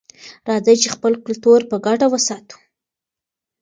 راځئ چې خپل کلتور په ګډه وساتو.